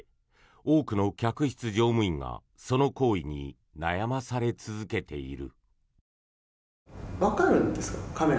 多くの客室乗務員がその行為に悩まされ続けている。